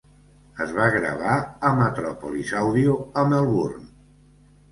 Es va gravar a Metropolis Audio a Melbourne.